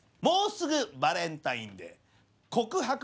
「もうすぐバレンタインデー！」。